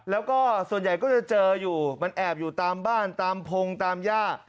แล้วก็ส่วนใหญ่ก็จะเจออยู่มันแอบอยู่ตามบ้านตามพงตามย่า